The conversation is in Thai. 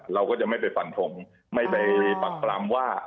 เราก็จะไม่ไปฝันผมไม่ไปปรับปรามว่า